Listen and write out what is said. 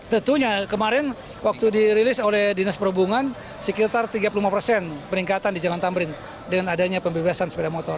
tentunya kemarin waktu dirilis oleh dinas perhubungan sekitar tiga puluh lima persen peningkatan di jalan tamrin dengan adanya pembebasan sepeda motor